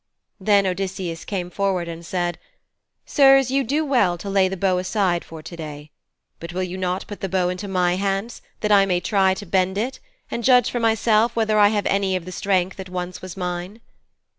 Then Odysseus came forward and said, 'Sirs, you do well to lay the bow aside for to day. But will you not put the bow into my hands, that I may try to bend it, and judge for myself whether I have any of the strength that once was mine?'